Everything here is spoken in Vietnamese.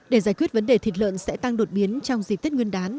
để giải quyết vấn đề thịt lợn sẽ tăng đột biến trong dịp tết nguyên đán